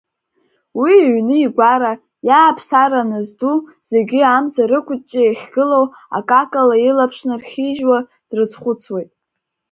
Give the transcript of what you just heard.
Уи иҩны-игәара, иааԥсара назду зегьы амза рықәҷҷа иахьгылоу акакала илаԥш нархижьуа дрызхәыцуеит…